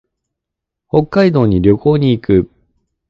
北海道に旅行に行く。